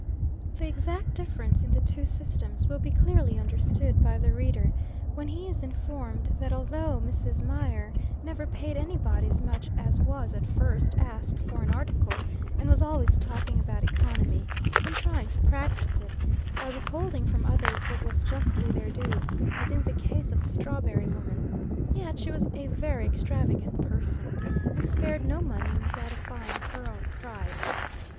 The exact difference in the two systems will be clearly understood by the reader, when he is informed that although Mrs. Mier never paid any body as much as was at first asked for an article, and was always talking about economy, and trying to practice it, by withholding from others what was justly their due, as in the case of the strawberry woman, yet she was a very extravagant person, and spared no money in gratifying her own pride.